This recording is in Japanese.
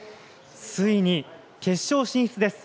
ついに決勝進出です。